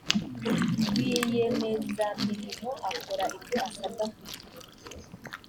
rwiyemezamirimo akora ibyo asabwa ku gihe